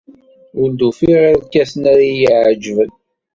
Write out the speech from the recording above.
Ur d-ufiɣ irkasen ara iyi-iɛejben.